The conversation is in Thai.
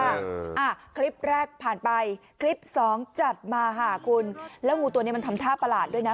อ่าคลิปแรกผ่านไปคลิปสองจัดมาค่ะคุณแล้วงูตัวเนี้ยมันทำท่าประหลาดด้วยนะ